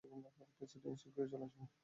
President শীঘ্রই চলে আসবেন।